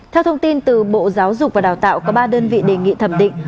theo thông tin từ bộ giáo dục và đào tạo có ba đơn vị đề nghị thẩm định